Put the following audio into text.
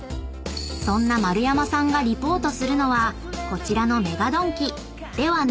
［そんな丸山さんがリポートするのはこちらのＭＥＧＡドンキではなく］